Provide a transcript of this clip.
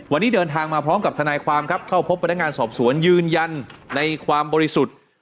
วันนี้เดินทางมาพร้อมกับทนายความครับเข้าพบพนักงานสอบสวนยืนยันในความบริสุทธิ์